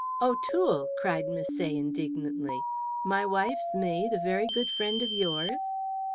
"O'Toole!" cried Misset, indignantly. "My wife's maid a very good friend of yours?"